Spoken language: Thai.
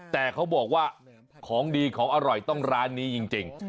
แต่เขาบอกว่าของดีของอร่อยต้องร้านนี้จริง